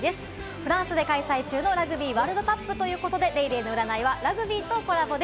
フランスで開催中のラグビーワールドカップということで、『ＤａｙＤａｙ．』の占いはラグビーとコラボです。